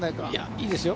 いいですよ。